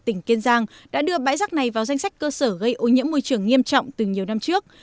tỉnh kiên giang đã đưa bãi rác này vào danh sách cơ sở gây ô nhiễm môi trường nghiêm trọng từ nhiều năm trước